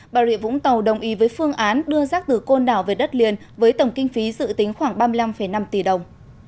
bà rịa vũng tàu đồng ý với phương án đưa rác từ côn đảo về đất liền với tổng kinh phí dự tính khoảng ba mươi năm năm tỷ đồng